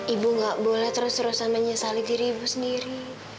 ibu gak boleh terus terusan menyesali diri ibu sendiri